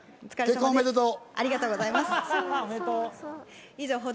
結婚おめでとう！